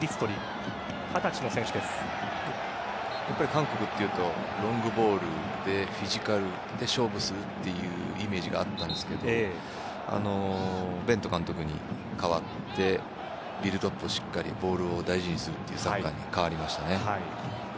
韓国というとロングボールでフィジカルで勝負するというイメージがあったんですがベント監督に代わってしっかりボールを大事にするというサッカーに変わりましたね。